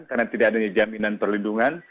karena tidak ada jaminan perlindungan